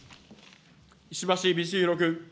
石橋通宏君。